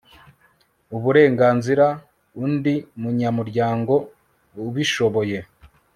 uburenganzira undi munyamuryango ubishoboye